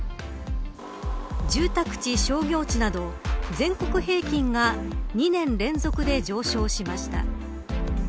住宅地、商業地など全国平均が２年連続で上昇しました。